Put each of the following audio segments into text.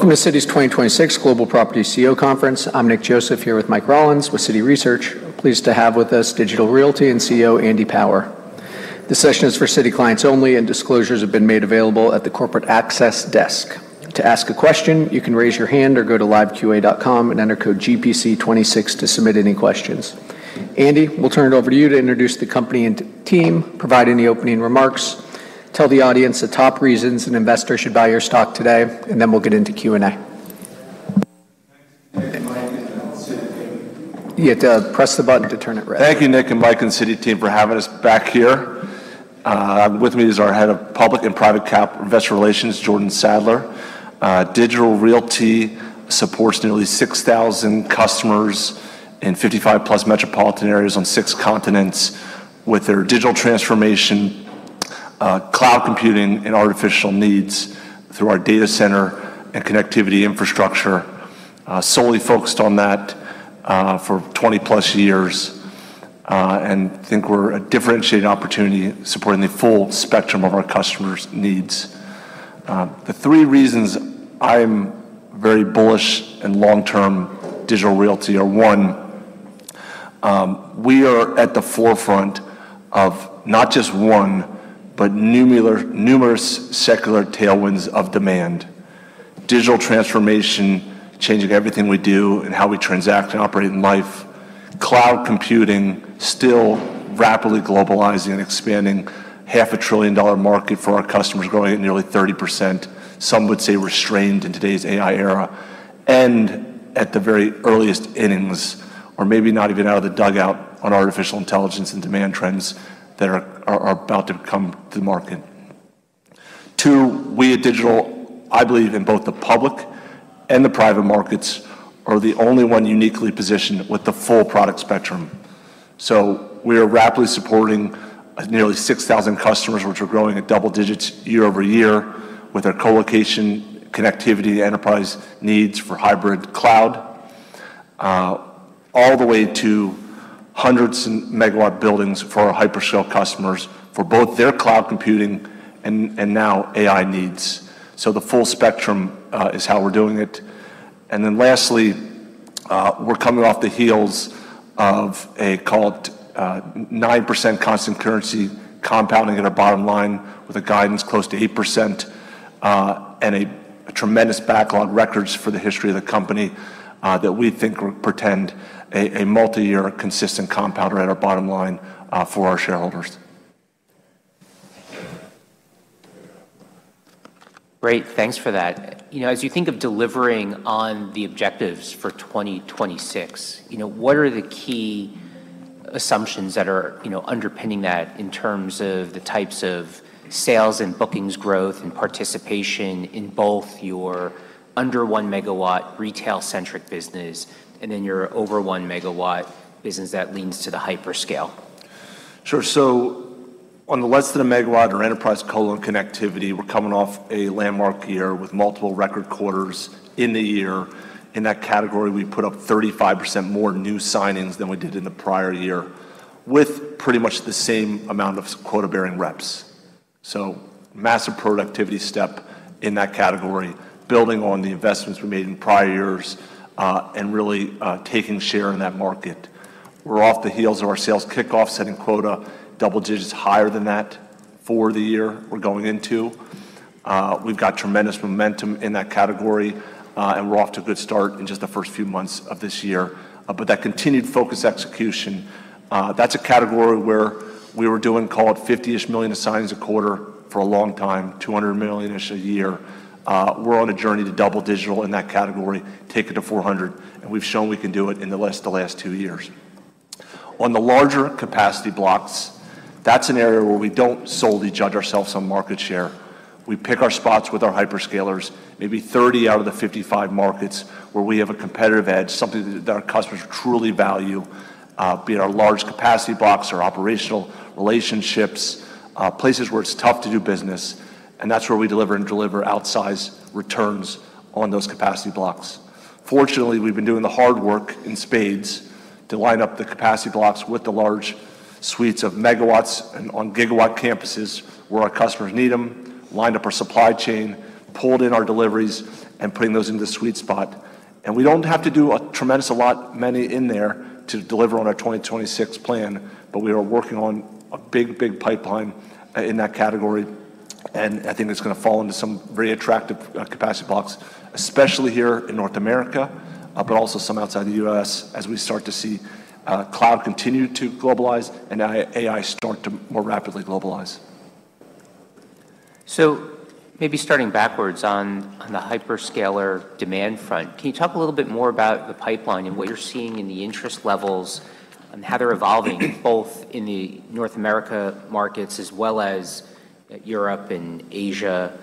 Welcome to Citi's 2026 Global Property CEO Conference. I'm Nick Joseph here with Michael Rollins with Citi Research. Pleased to have with us Digital Realty and CEO Andy Power. This session is for Citi clients only. Disclosures have been made available at the corporate access desk. To ask a question, you can raise your hand or go to liveqa.com and enter code GPC 26 to submit any questions. Andy, we'll turn it over to you to introduce the company and team, provide any opening remarks, tell the audience the top reasons an investor should buy your stock today, and then we'll get into Q&A. You have to press the button to turn it red. Thank you, Nick and Mike and Citi team for having us back here. With me is our head of public and private cap investor relations, Jordan Sadler. Digital Realty supports nearly 6,000 customers in 55+ metropolitan areas on six continents with their digital transformation, cloud computing, and artificial needs through our data center and connectivity infrastructure. Solely focused on that for 20+ years. Think we're a differentiated opportunity supporting the full spectrum of our customers' needs. The three reasons I'm very bullish in long-term Digital Realty are, one, we are at the forefront of not just one, but numerous secular tailwinds of demand. Digital transformation changing everything we do and how we transact and operate in life. Cloud computing still rapidly globalizing and expanding. Half a trillion dollar market for our customers growing at nearly 30%, some would say restrained in today's AI era. At the very earliest innings, or maybe not even out of the dugout on artificial intelligence and demand trends that are about to come to market. Two, we at Digital, I believe in both the public and the private markets, are the only one uniquely positioned with the full product spectrum. We are rapidly supporting nearly 6,000 customers, which are growing at double digits year-over-year with our colocation connectivity enterprise needs for hybrid cloud, all the way to hundreds in megawatt buildings for our hyperscale customers for both their cloud computing and now AI needs. The full spectrum is how we're doing it. Lastly, we're coming off the heels of a call it, 9% constant currency compounding in our bottom line with a guidance close to 8%, and a tremendous backlog records for the history of the company, that we think will portend a multi-year consistent compounder at our bottom line, for our shareholders. Great. Thanks for that. You know, as you think of delivering on the objectives for 2026, you know, what are the key assumptions that are, you know, underpinning that in terms of the types of sales and bookings growth and participation in both your under 1 MW retail-centric business and in your over 1 MW business that leans to the hyperscale? Sure. On the less than a megawatt or enterprise colo connectivity, we're coming off a landmark year with multiple record quarters in the year. In that category, we put up 35% more new signings than we did in the prior year with pretty much the same amount of quota-bearing reps. Massive productivity step in that category, building on the investments we made in prior years, and really, taking share in that market. We're off the heels of our sales kickoff, setting quota double digits higher than that for the year we're going into. We've got tremendous momentum in that category, and we're off to a good start in just the first few months of this year. That continued focus execution, that's a category where we were doing call it $50 million-ish of signings a quarter for a long time, $200 million-ish a year. We're on a journey to double-digit in that category, take it to $400 million, and we've shown we can do it in the last two years. On the larger capacity blocks, that's an area where we don't solely judge ourselves on market share. We pick our spots with our hyperscalers, maybe 30 out of the 55 markets where we have a competitive edge, something that our customers truly value, be it our large capacity blocks, our operational relationships, places where it's tough to do business, and that's where we deliver and deliver outsized returns on those capacity blocks. Fortunately, we've been doing the hard work in spades to line up the capacity blocks with the large suites of megawatts and on gigawatt campuses where our customers need them, lined up our supply chain, pulled in our deliveries, and putting those in the sweet spot. We don't have to do a tremendous a lot many in there to deliver on our 2026 plan, but we are working on a big, big pipeline in that category, and I think it's gonna fall into some very attractive capacity blocks, especially here in North America, but also some outside the U.S. as we start to see cloud continue to globalize and AI start to more rapidly globalize. Maybe starting backwards on the hyperscaler demand front, can you talk a little bit more about the pipeline and what you're seeing in the interest levels and how they're evolving both in the North America markets as well as Europe and Asia?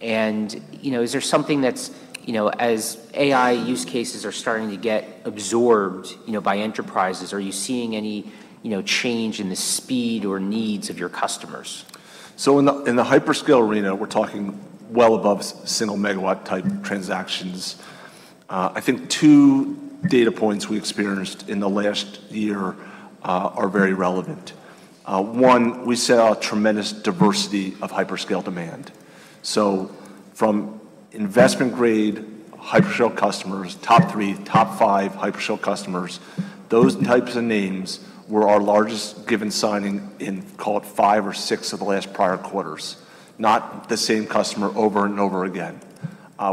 You know, is there something that's, you know, as AI use cases are starting to get absorbed, you know, by enterprises, are you seeing any, you know, change in the speed or needs of your customers? In the hyperscale arena, we're talking well above single megawatt type transactions. I think two data points we experienced in the last year are very relevant. One, we set out tremendous diversity of hyperscale demand. From investment grade hyperscale customers, top three, top five hyperscale customers, those types of names were our largest given signing in, call it, five or six of the last prior quarters, not the same customer over and over again,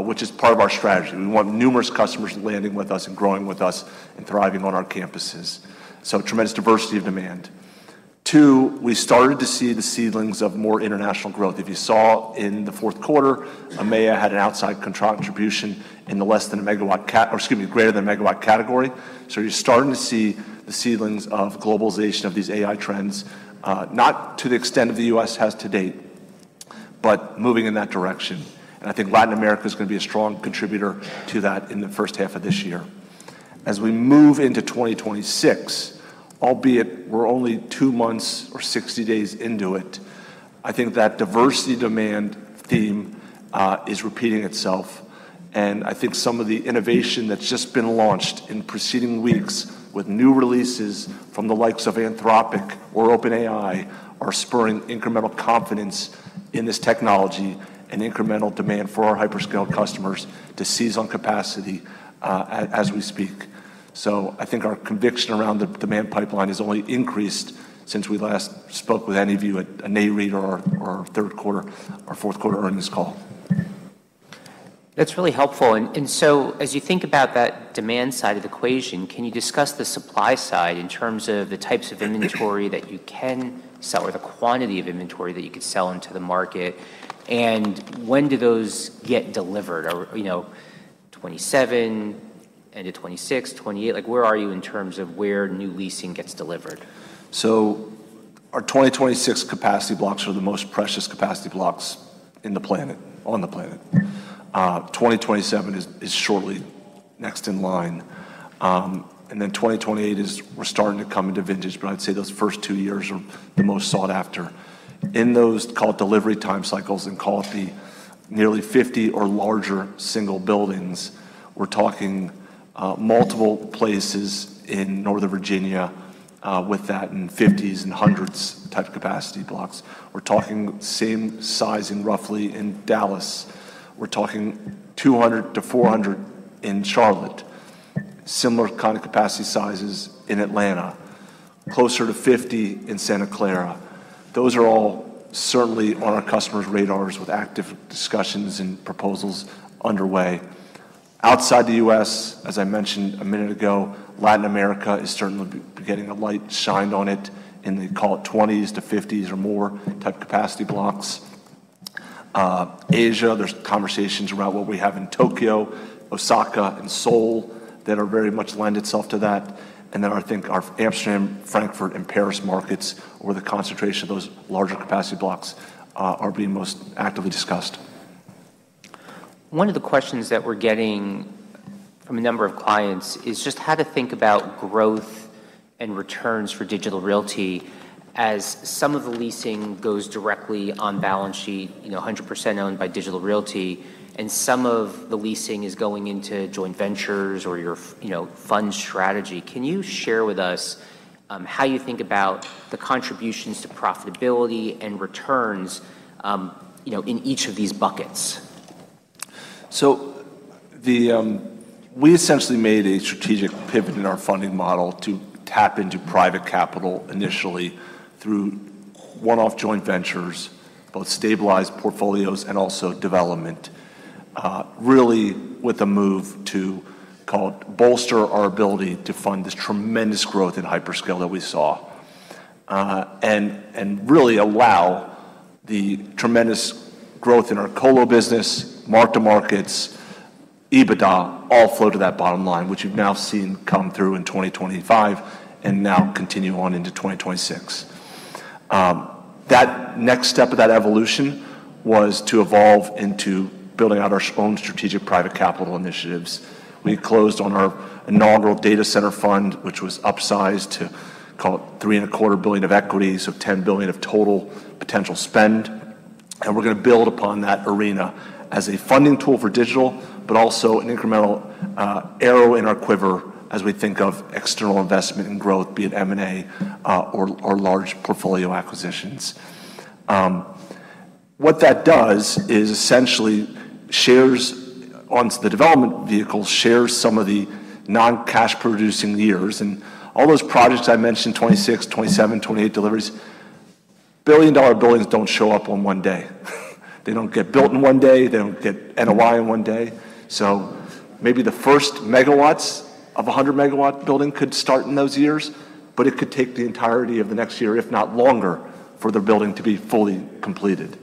which is part of our strategy. We want numerous customers landing with us and growing with us and thriving on our campuses. Tremendous diversity of demand. Two, we started to see the seedlings of more international growth. If you saw in the fourth quarter, EMEA had an outside contract contribution in the less than a megawatt or excuse me, greater than a megawatt category. You're starting to see the seedlings of globalization of these AI trends, not to the extent that the U.S. has to date, but moving in that direction. I think Latin America is gonna be a strong contributor to that in the first half of this year. We move into 2026, albeit we're only two months or 60 days into it, I think that diversity demand theme is repeating itself. I think some of the innovation that's just been launched in preceding weeks with new releases from the likes of Anthropic or OpenAI are spurring incremental confidence in this technology and incremental demand for our hyperscale customers to seize on capacity as we speak. I think our conviction around the demand pipeline has only increased since we last spoke with any of you at an Nareit or third quarter or fourth quarter earnings call. That's really helpful. As you think about that demand side of the equation, can you discuss the supply side in terms of the types of inventory that you can sell or the quantity of inventory that you could sell into the market? When do those get delivered? Are, you know, 2027 into 2026, 2028. Like, where are you in terms of where new leasing gets delivered? Our 2026 capacity blocks are the most precious capacity blocks in the planet, on the planet. 2027 is shortly next in line. 2028 is we're starting to come into vintage, but I'd say those first two years are the most sought after. In those, call it, delivery time cycles, and call it the nearly 50 or larger single buildings, we're talking multiple places in Northern Virginia, with that in 50s and 100s type capacity blocks. We're talking same sizing roughly in Dallas. We're talking 200 to 400 in Charlotte. Similar kind of capacity sizes in Atlanta. Closer to 50 in Santa Clara. Those are all certainly on our customers' radars with active discussions and proposals underway. Outside the U.S., as I mentioned a minute ago, Latin America is certainly beginning to light shine on it in the, call it, 20s to 50s or more type capacity blocks. Asia, there's conversations around what we have in Tokyo, Osaka, and Seoul that are very much lend itself to that. I think our Amsterdam, Frankfurt, and Paris markets, where the concentration of those larger capacity blocks are being most actively discussed. One of the questions that we're getting from a number of clients is just how to think about growth and returns for Digital Realty as some of the leasing goes directly on balance sheet, you know, 100% owned by Digital Realty, and some of the leasing is going into joint ventures or your you know, fund strategy. Can you share with us how you think about the contributions to profitability and returns, you know, in each of these buckets? We essentially made a strategic pivot in our funding model to tap into private capital initially through one-off joint ventures, both stabilized portfolios and also development, really with a move to, call it, bolster our ability to fund this tremendous growth in hyperscale that we saw. Really allow the tremendous growth in our colo business, mark-to-market, EBITDA all flow to that bottom line, which you've now seen come through in 2025 and now continue on into 2026. That next step of that evolution was to evolve into building out our own strategic private capital initiatives. We closed on our inaugural data center fund, which was upsized to, call it, $3.25 billion of equity, so $10 billion of total potential spend. We're gonna build upon that arena as a funding tool for digital, but also an incremental arrow in our quiver as we think of external investment and growth, be it M&A or large portfolio acquisitions. What that does is essentially shares on the development vehicle, shares some of the non-cash producing years. All those projects I mentioned, 2026, 2027, 2028 deliveries, billion-dollar buildings don't show up on one day. They don't get built in one day. They don't get NOI in one day. Maybe the first megawatts of a 100 MW building could start in those years, but it could take the entirety of the next year, if not longer, for the building to be fully completed.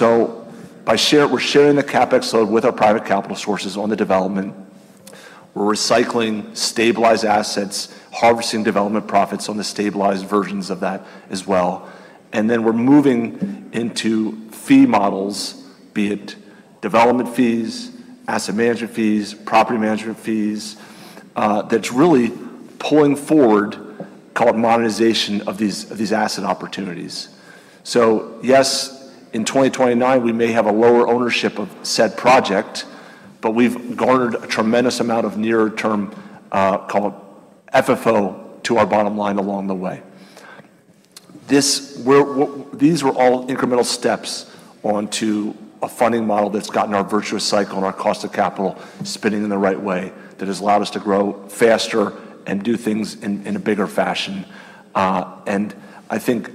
We're sharing the CapEx load with our private capital sources on the development. We're recycling stabilized assets, harvesting development profits on the stabilized versions of that as well. We're moving into fee models, be it development fees, asset management fees, property management fees, that's really pulling forward, call it monetization of these asset opportunities. Yes, in 2029, we may have a lower ownership of said project, but we've garnered a tremendous amount of near-term, call it FFO to our bottom line along the way. These were all incremental steps onto a funding model that's gotten our virtuous cycle and our cost of capital spinning in the right way that has allowed us to grow faster and do things in a bigger fashion. I think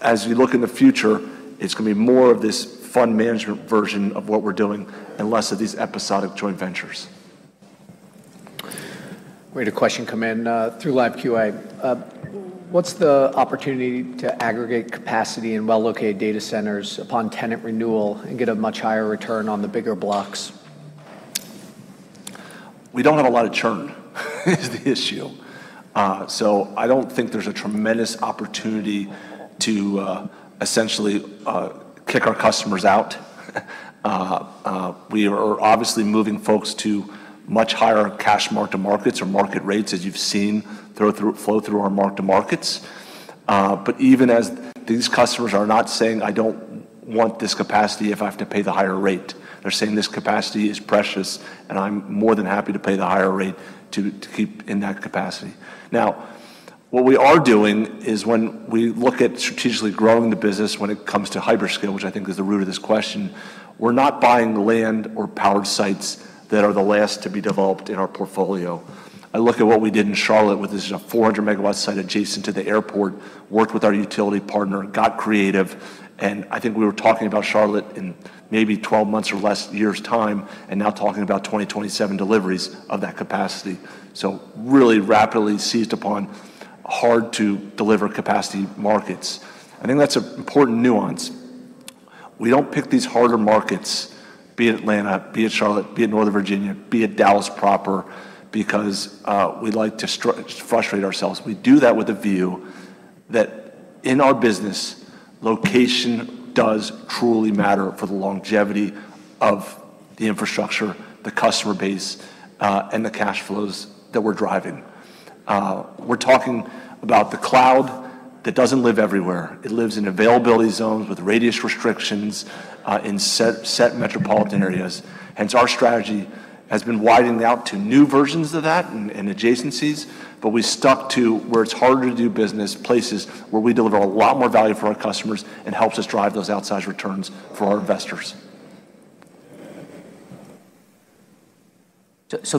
as we look in the future, it's gonna be more of this fund management version of what we're doing and less of these episodic joint ventures. We had a question come in, through live QA. What's the opportunity to aggregate capacity in well-located data centers upon tenant renewal and get a much higher return on the bigger blocks? We don't have a lot of churn is the issue. I don't think there's a tremendous opportunity to essentially kick our customers out. We are obviously moving folks to much higher cash mark-to-market or market rates, as you've seen flow through our mark-to-market. Even as these customers are not saying, "I don't want this capacity if I have to pay the higher rate," they're saying, "This capacity is precious, and I'm more than happy to pay the higher rate to keep in that capacity." What we are doing is when we look at strategically growing the business when it comes to hyperscale, which I think is the root of this question, we're not buying land or powered sites that are the last to be developed in our portfolio. I look at what we did in Charlotte with this 400 MW site adjacent to the airport, worked with our utility partner, got creative. I think we were talking about Charlotte in maybe 12 months or less year's time. Now talking about 2027 deliveries of that capacity. Really rapidly seized upon hard-to-deliver capacity markets. I think that's an important nuance. We don't pick these harder markets, be it Atlanta, be it Charlotte, be it Northern Virginia, be it Dallas proper, because we like to frustrate ourselves. We do that with a view that in our business, location does truly matter for the longevity of the infrastructure, the customer base, and the cash flows that we're driving. We're talking about the cloud that doesn't live everywhere. It lives in availability zones with radius restrictions, in set metropolitan areas. Our strategy has been widening out to new versions of that and adjacencies, but we stuck to where it's harder to do business, places where we deliver a lot more value for our customers and helps us drive those outsized returns for our investors.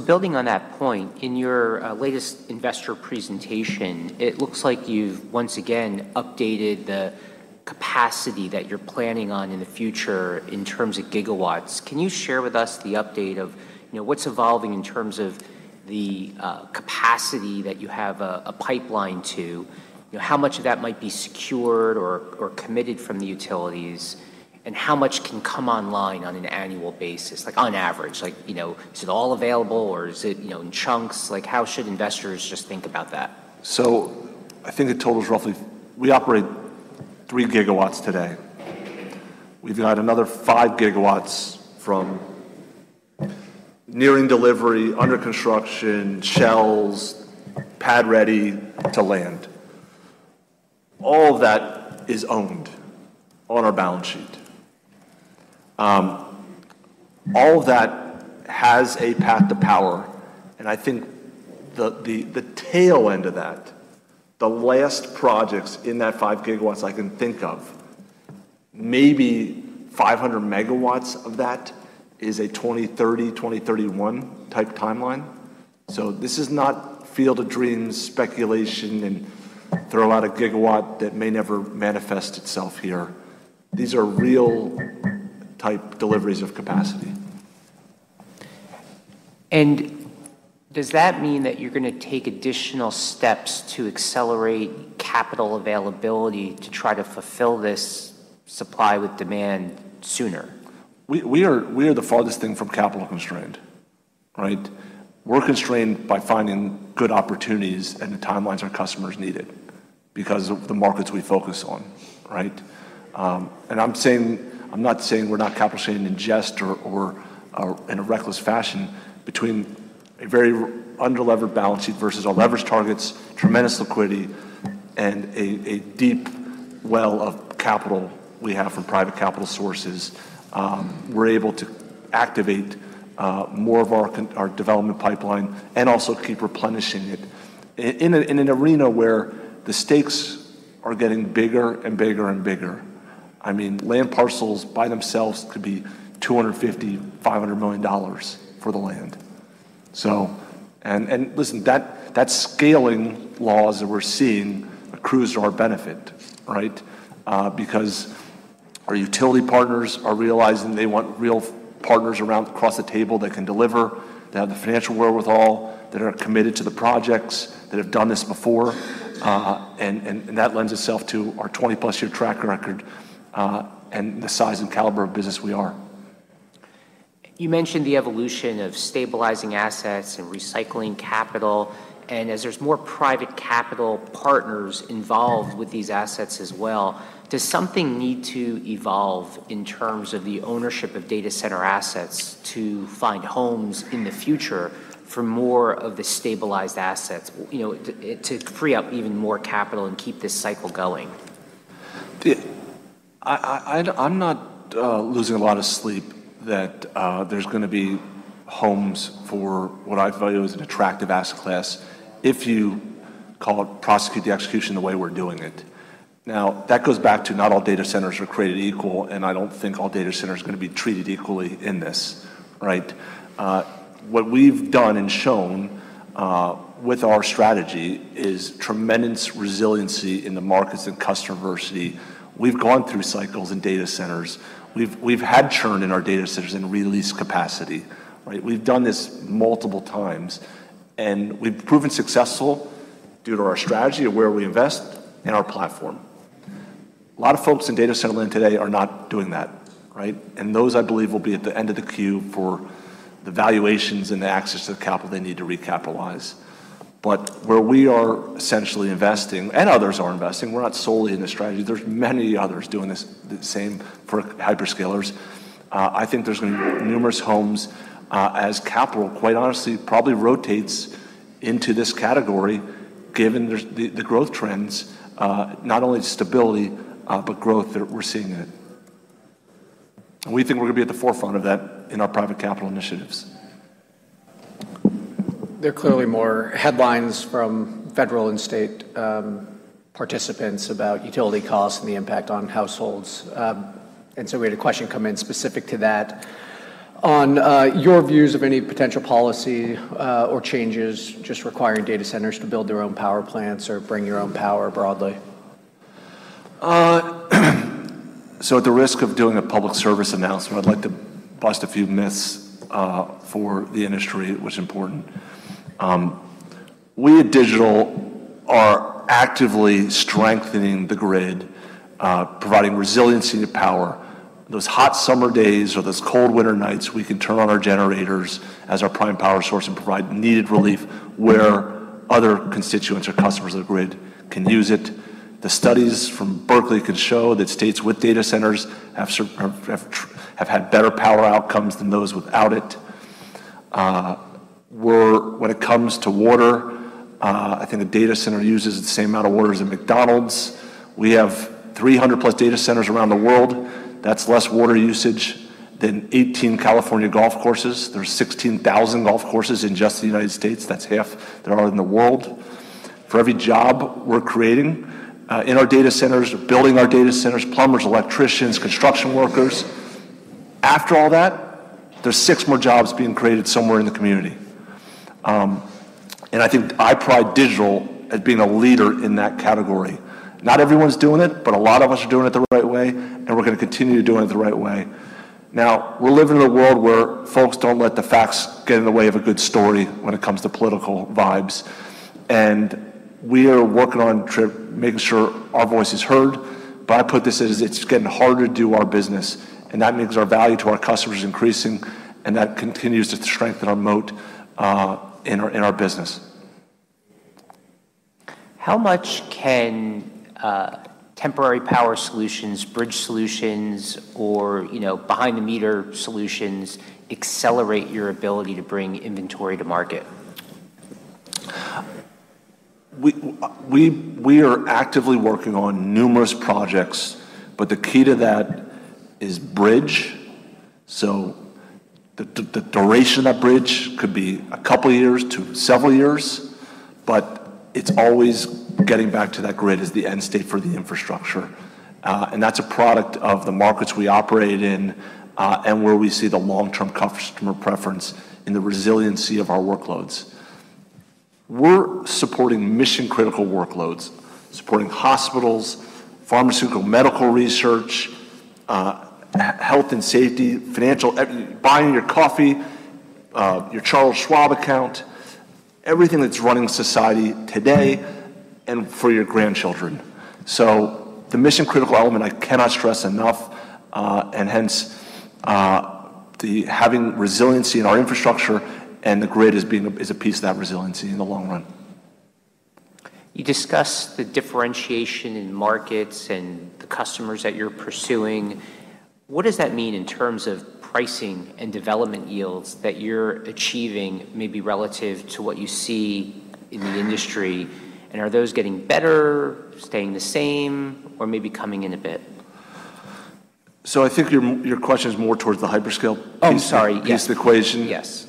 Building on that point, in your latest investor presentation, it looks like you've once again updated the capacity that you're planning on in the future in terms of gigawatts. Can you share with us the update of, you know, what's evolving in terms of the capacity that you have a pipeline to? You know, how much of that might be secured or committed from the utilities? How much can come online on an annual basis, like on average? You know, is it all available or is it, you know, in chunks? How should investors just think about that? I think the total's We operate 3 GW today. We've got another 5 GW from nearing delivery, under construction, shells, pad ready to land. All of that is owned on our balance sheet. All of that has a path to power, and I think the tail end of that, the last projects in that 5 GW. I can think of, maybe 500 MW of that is a 2030, 2031 type timeline. This is not Field of Dreams speculation and throw out a gigawatt that may never manifest itself here. These are real type deliveries of capacity. Does that mean that you're gonna take additional steps to accelerate capital availability to try to fulfill this supply with demand sooner? We are the farthest thing from capital constrained, right? We're constrained by finding good opportunities and the timelines our customers needed because of the markets we focus on, right? I'm not saying we're not capital constrained in jest or in a reckless fashion. Between a very under-levered balance sheet versus our leverage targets, tremendous liquidity, and a deep well of capital we have from private capital sources, we're able to activate more of our development pipeline and also keep replenishing it in an arena where the stakes are getting bigger and bigger and bigger. I mean, land parcels by themselves could be $250 million, $500 million for the land. Listen, that scaling laws that we're seeing accrues to our benefit, right? Because our utility partners are realizing they want real partners across the table that can deliver, that have the financial wherewithal, that are committed to the projects, that have done this before. That lends itself to our 20+ year track record, and the size and caliber of business we are. You mentioned the evolution of stabilizing assets and recycling capital. As there's more private capital partners involved with these assets as well, does something need to evolve in terms of the ownership of data center assets to find homes in the future for more of the stabilized assets, you know, to free up even more capital and keep this cycle going? I'm not losing a lot of sleep that there's gonna be homes for what I value as an attractive asset class if you call it prosecute the execution the way we're doing it. That goes back to not all data centers are created equal, and I don't think all data centers are gonna be treated equally in this, right? What we've done and shown with our strategy is tremendous resiliency in the markets and customer diversity. We've gone through cycles in data centers. We've had churn in our data centers and release capacity, right? We've done this multiple times, and we've proven successful due to our strategy of where we invest in our platform. A lot of folks in data center land today are not doing that, right? Those, I believe, will be at the end of the queue for the valuations and the access to the capital they need to recapitalize. Where we are essentially investing, and others are investing, we're not solely in this strategy. There's many others doing this the same for hyperscalers. I think there's gonna be numerous homes, as capital, quite honestly, probably rotates into this category given there's the growth trends, not only stability, but growth that we're seeing in it. We think we're gonna be at the forefront of that in our private capital initiatives. There are clearly more headlines from federal and state participants about utility costs and the impact on households. We had a question come in specific to that. On your views of any potential policy or changes just requiring data centers to build their own power plants or bring your own power broadly. At the risk of doing a public service announcement, I'd like to bust a few myths for the industry. It was important. We at Digital are actively strengthening the grid, providing resiliency to power. Those hot summer days or those cold winter nights, we can turn on our generators as our prime power source and provide needed relief where other constituents or customers of the grid can use it. The studies from Berkeley can show that states with data centers have had better power outcomes than those without it. When it comes to water, I think the data center uses the same amount of water as a McDonald's. We have 300+ data centers around the world. That's less water usage than 18 California golf courses. There's 16,000 golf courses in just the United States. That's half there are in the world. For every job we're creating, in our data centers or building our data centers, plumbers, electricians, construction workers, after all that, there's six more jobs being created somewhere in the community. I think I pride Digital as being a leader in that category. Not everyone's doing it, but a lot of us are doing it the right way, and we're gonna continue doing it the right way. Now, we live in a world where folks don't let the facts get in the way of a good story when it comes to political vibes, and we are working on making sure our voice is heard. I put this as it's getting harder to do our business, and that means our value to our customers is increasing, and that continues to strengthen our moat, in our business. How much can temporary power solutions, bridge solutions, or, you know, behind-the-meter solutions accelerate your ability to bring inventory to market? We are actively working on numerous projects, but the key to that is bridge. The duration of that bridge could be a couple years to several years, but it's always getting back to that grid as the end state for the infrastructure. That's a product of the markets we operate in, and where we see the long-term customer preference in the resiliency of our workloads. We're supporting mission-critical workloads, supporting hospitals, pharmaceutical medical research, health and safety, financial, buying your coffee, your Charles Schwab account, everything that's running society today and for your grandchildren. The mission-critical element I cannot stress enough, hence, the having resiliency in our infrastructure and the grid is a piece of that resiliency in the long run. You discussed the differentiation in markets and the customers that you're pursuing. What does that mean in terms of pricing and development yields that you're achieving maybe relative to what you see in the industry? Are those getting better, staying the same, or maybe coming in a bit? I think your question is more towards the hyperscale piece. I'm sorry. Yes. ...piece of the equation. Yes.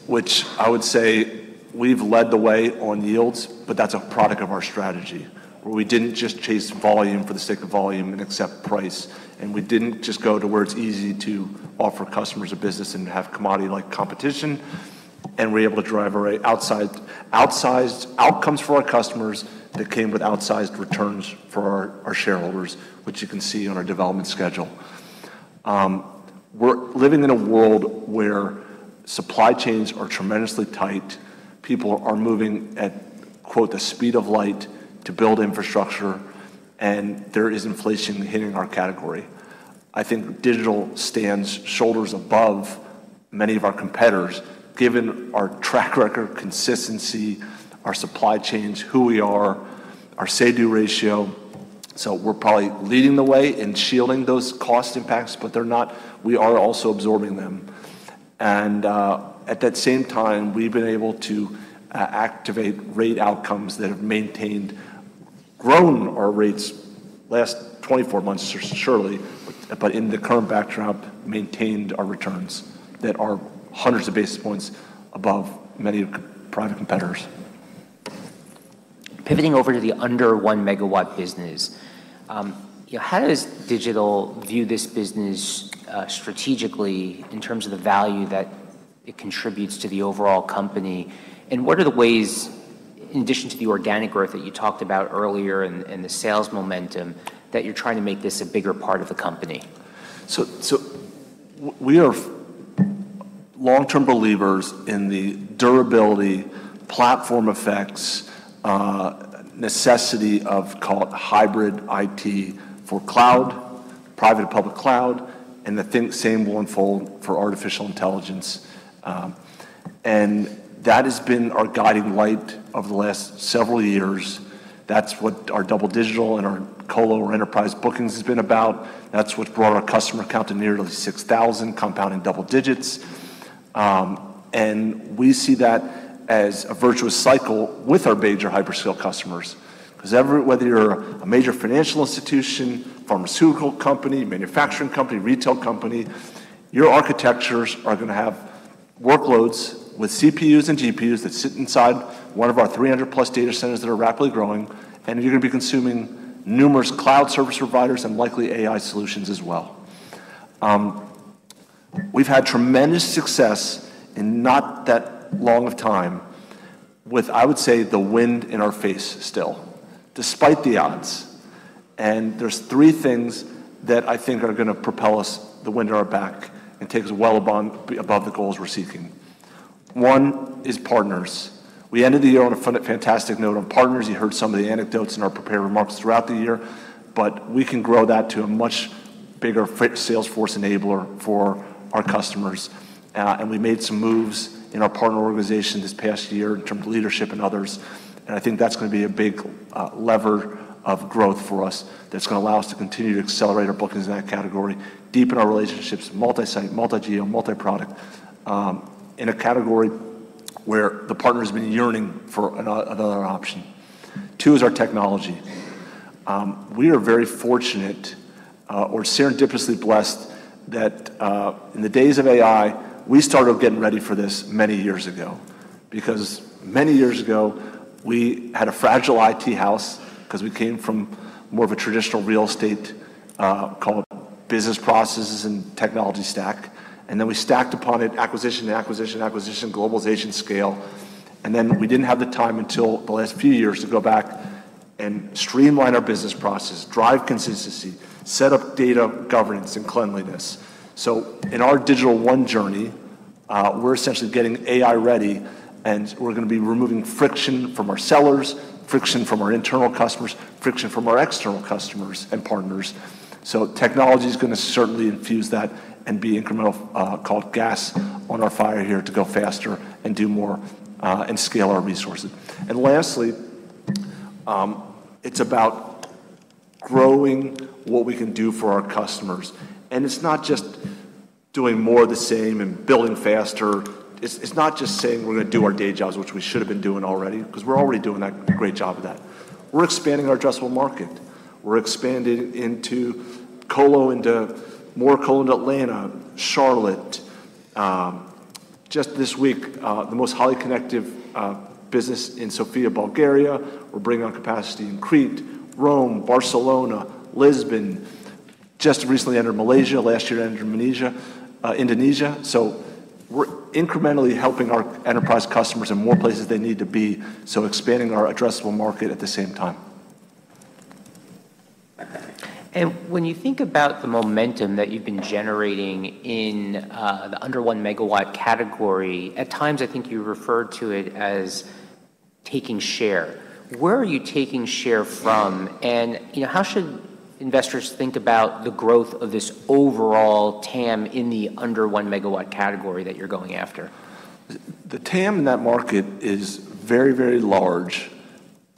I would say we've led the way on yields, but that's a product of our strategy, where we didn't just chase volume for the sake of volume and accept price, and we didn't just go to where it's easy to offer customers a business and have commodity-like competition, and we're able to drive outsized outcomes for our customers that came with outsized returns for our shareholders, which you can see on our development schedule. We're living in a world where supply chains are tremendously tight. People are moving at, quote, "the speed of light" to build infrastructure, and there is inflation hitting our category. I think Digital stands shoulders above many of our competitors, given our track record, consistency, our supply chains, who we are, our say-do ratio. We're probably leading the way in shielding those cost impacts, but they're not, we are also absorbing them. At that same time, we've been able to activate rate outcomes that have maintained, grown our rates last 24 months, surely, but in the current backdrop, maintained our returns that are hundreds of basis points above many of private competitors. Pivoting over to the under 1 MW business, you know, how does Digital view this business strategically in terms of the value that it contributes to the overall company? What are the ways, in addition to the organic growth that you talked about earlier and the sales momentum, that you're trying to make this a bigger part of the company? We are long-term believers in the durability platform effects, necessity of call it hybrid IT for cloud, private and public cloud, same will unfold for artificial intelligence. That has been our guiding light of the last several years. That's what our double-digit and our colo or enterprise bookings has been about. That's what brought our customer count to nearly 6,000, compounding double digits. We see that as a virtuous cycle with our major hyperscale customers. Because whether you're a major financial institution, pharmaceutical company, manufacturing company, retail company, your architectures are gonna have workloads with CPUs and GPUs that sit inside one of our 300+ data centers that are rapidly growing, and you're gonna be consuming numerous cloud service providers and likely AI solutions as well. We've had tremendous success in not that long of time with, I would say, the wind in our face still, despite the odds. There's three things that I think are gonna propel us, the wind at our back, and take us well above the goals we're seeking. One is partners. We ended the year on a fantastic note on partners. You heard some of the anecdotes in our prepared remarks throughout the year. We can grow that to a much bigger sales force enabler for our customers. We made some moves in our partner organization this past year in terms of leadership and others, and I think that's gonna be a big lever of growth for us that's gonna allow us to continue to accelerate our bookings in that category, deepen our relationships, multi-site, multi-geo, multi-product, in a category where the partner's been yearning for another option. Two is our technology. We are very fortunate, or serendipitously blessed that, in the days of AI, we started getting ready for this many years ago. Many years ago, we had a fragile IT house 'cause we came from more of a traditional real estate, call it business processes and technology stack. We stacked upon it acquisition to acquisition, globalization scale. Then we didn't have the time until the last few years to go back and streamline our business process, drive consistency, set up data governance and cleanliness. In our digital one journey, we're essentially getting AI ready, and we're gonna be removing friction from our sellers, friction from our internal customers, friction from our external customers and partners. Technology's gonna certainly infuse that and be incremental, called gas on our fire here to go faster and do more, and scale our resources. Lastly, it's about growing what we can do for our customers. It's not just doing more of the same and billing faster. It's not just saying we're gonna do our day jobs, which we should have been doing already, 'cause we're already doing that, a great job of that. We're expanding our addressable market. We're expanding into more colo into Atlanta, Charlotte. Just this week, the most highly connective business in Sofia, Bulgaria. We're bringing on capacity in Crete, Rome, Barcelona, Lisbon. Just recently entered Malaysia. Last year, entered Malaysia, Indonesia. We're incrementally helping our enterprise customers in more places they need to be, so expanding our addressable market at the same time. When you think about the momentum that you've been generating in the under 1 MW category, at times I think you referred to it as taking share. Where are you taking share from? You know, how should investors think about the growth of this overall TAM in the under 1 MW category that you're going after? The TAM in that market is very, very large,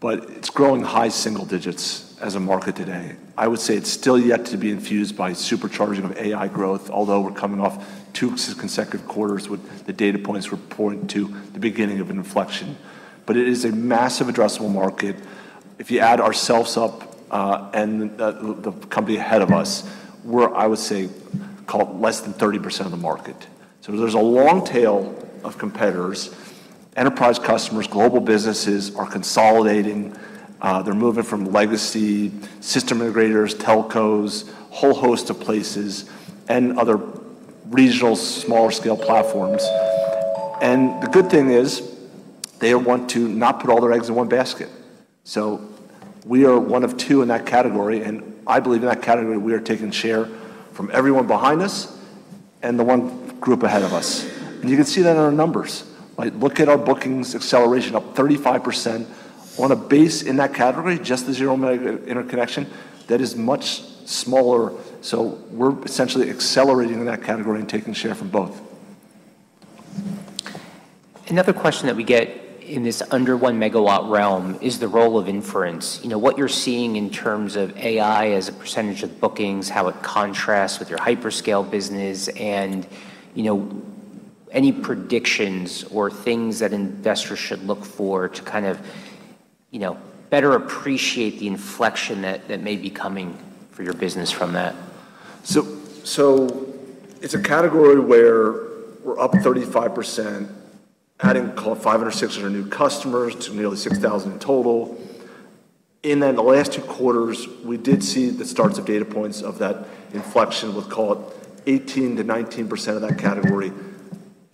but it's growing high single digits as a market today. I would say it's still yet to be infused by supercharging of AI growth, although we're coming off two consecutive quarters with the data points reporting to the beginning of an inflection. It is a massive addressable market. If you add ourselves up, and the company ahead of us, we're, I would say, call it less than 30% of the market. There's a long tail of competitors. Enterprise customers, global businesses are consolidating. They're moving from legacy system integrators, telcos, whole host of places, and other regional smaller scale platforms. The good thing is they want to not put all their eggs in one basket. We are one of two in that category, and I believe in that category we are taking share from everyone behind us and the one group ahead of us. You can see that in our numbers, right? Look at our bookings acceleration, up 35% on a base in that category, just the 0 mega interconnection. That is much smaller, so we're essentially accelerating in that category and taking share from both. Another question that we get in this under 1 MW realm is the role of inference. You know, what you're seeing in terms of AI as a % of bookings, how it contrasts with your hyperscale business, and, you know, any predictions or things that investors should look for to kind of, you know, better appreciate the inflection that may be coming for your business from that. So it's a category where we're up 35%, adding call it 500, 600 new customers to nearly 6,000 in total. The last two quarters, we did see the starts of data points of that inflection. We'll call it 18%-19% of that category.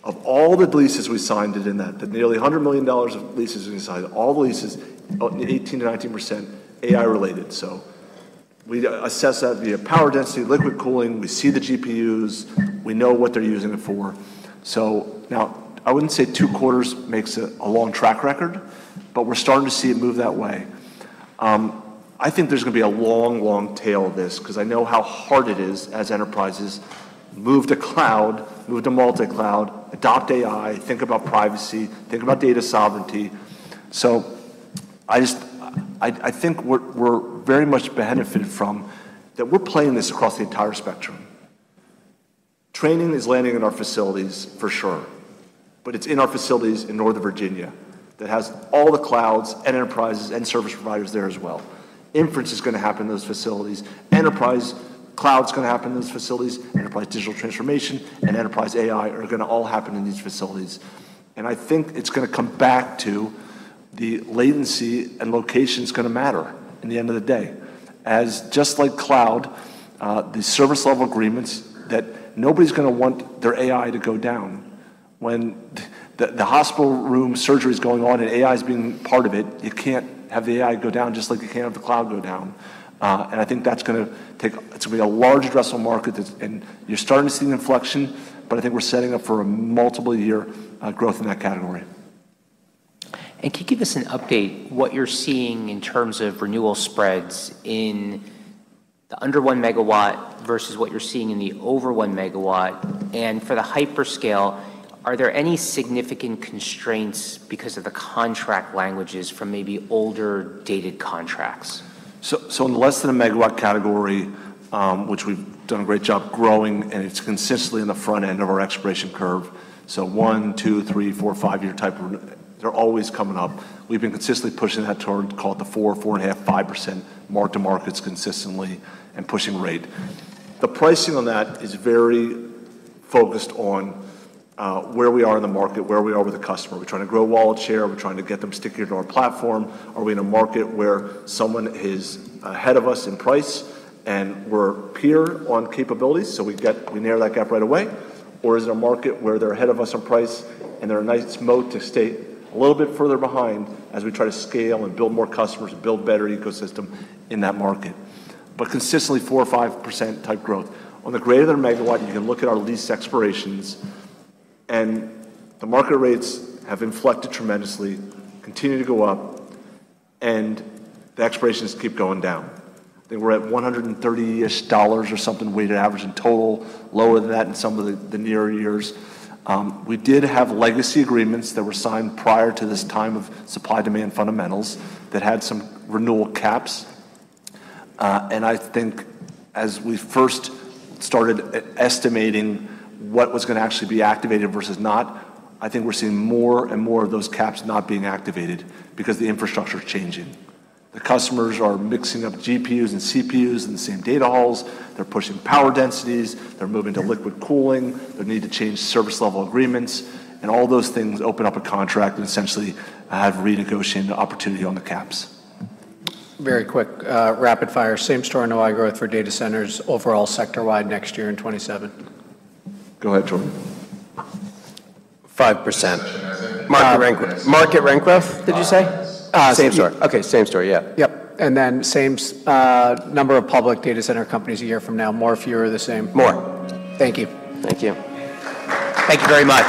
Of all the leases we signed it in that, the nearly $100 million of leases we signed, all the leases, 18%-19% AI related. We assess that via power density, liquid cooling. We see the GPUs. We know what they're using it for. I wouldn't say two quarters makes a long track record, but we're starting to see it move that way. I think there's gonna be a long, long tail of this because I know how hard it is as enterprises move to cloud, move to multi-cloud, adopt AI, think about privacy, think about data sovereignty. I think we're very much benefited from that we're playing this across the entire spectrum. Training is landing in our facilities for sure, but it's in our facilities in Northern Virginia that has all the clouds and enterprises and service providers there as well. Inference is gonna happen in those facilities. Enterprise cloud's gonna happen in those facilities. Enterprise digital transformation and enterprise AI are gonna all happen in these facilities. I think it's gonna come back to the latency, and location's gonna matter in the end of the day. As just like cloud, the service level agreements that nobody's gonna want their AI to go down. When the hospital room surgery is going on and AI is being part of it, you can't have the AI go down just like you can't have the cloud go down. I think it's gonna be a large addressable market and you're starting to see an inflection, but I think we're setting up for a multiple year growth in that category. Can you give us an update what you're seeing in terms of renewal spreads in the under 1 MW versus what you're seeing in the over 1 MW? For the hyperscale, are there any significant constraints because of the contract languages from maybe older dated contracts? In less than a megawatt category, which we've done a great job growing, and it's consistently in the front end of our expiration curve. One, two, three, four, five-year type they're always coming up. We've been consistently pushing that toward call it the four and a half, 5% mark-to-market consistently and pushing rate. The pricing on that is very focused on, where we are in the market, where we are with the customer. Are we trying to grow wallet share? Are we trying to get them stickier to our platform? Are we in a market where someone is ahead of us in price and we're peer on capabilities? We narrow that gap right away. Is it a market where they're ahead of us on price, and they're a nice moat to stay a little bit further behind as we try to scale and build more customers, build better ecosystem in that market? Consistently 4% or 5% type growth. On the greater than megawatt, you can look at our lease expirations, and the market rates have inflected tremendously, continue to go up, and the expirations keep going down. I think we're at $130-ish or something weighted average in total, lower than that in some of the nearer years. We did have legacy agreements that were signed prior to this time of supply demand fundamentals that had some renewal caps. I think as we first started estimating what was gonna actually be activated versus not, I think we're seeing more and more of those caps not being activated because the infrastructure's changing. The customers are mixing up GPUs and CPUs in the same data halls. They're pushing power densities. They're moving to liquid cooling. They need to change service level agreements, and all those things open up a contract and essentially have renegotiating the opportunity on the caps. Very quick, rapid fire. Same story on OI growth for data centers overall sector-wide next year in 2027. Go ahead, Jordan. 5%. Market rent growth, did you say? Same story. Okay, same story. Yeah. Yep. Same number of public data center companies a year from now. More, fewer, the same? More. Thank you. Thank you. Thank you very much.